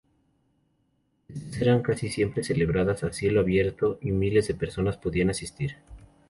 Estas eran casi siempre celebradas a cielo abierto, y miles de personas podían asistir.